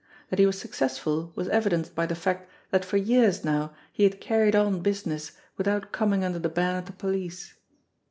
That he was successful was evidenced by the fact that for years now he had carried on business without coming under the ban of the police.